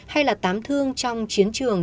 hay là tám thương trong chiến trường